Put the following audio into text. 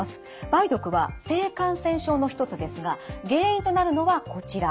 梅毒は性感染症の一つですが原因となるのはこちら。